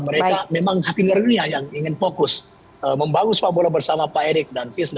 mereka memang hati hati dunia yang ingin fokus membangun sepak bola bersama pak erik dan fis